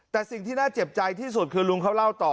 แต่สิ่งที่น่าเจ็บใจที่สุดคือลุงเขาเล่าต่อ